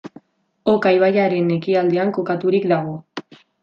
Oka ibaiaren ekialdean kokaturik dago.